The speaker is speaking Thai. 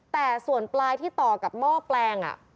แต่ส่วนปลายที่ต่อกับหม้อแปลง